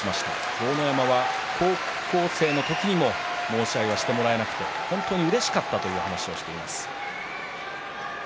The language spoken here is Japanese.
豪ノ山は高校生の時にも申し合いをしてもらえなくて本当にうれしかったという話をしています。